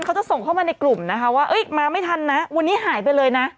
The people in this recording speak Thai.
เขาจะส่งเข้ามาในกลุ่มนะคะว่ามาไม่ทันนะวันนี้หายไปเลยนะ